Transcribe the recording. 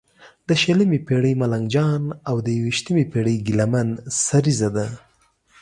د شلمې پېړۍ ملنګ جان او د یوویشمې پېړې ګیله من سریزه ده.